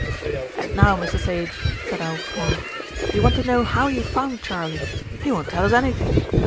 "And now, Mr. Sage," said Alf Pond, "we want to know how you found Charley. He won't tell us anythink.